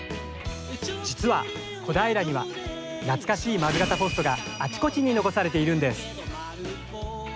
実は小平には懐かしい丸型ポストがあちこちに残されているんです。